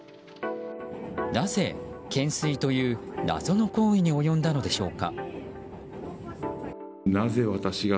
なぜ懸垂という謎の行為に及んだのでしょうか。